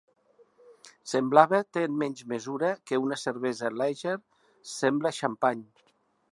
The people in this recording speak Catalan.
Semblava te en menys mesura que una cervesa Lager sembla xampany.